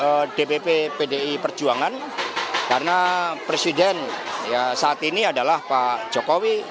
kepada dpp pdi perjuangan karena presiden saat ini adalah pak jokowi